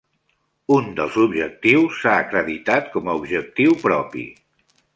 Un dels objectius s'ha acreditat com a objectiu propi.